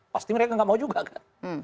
pasti mereka nggak mau juga kan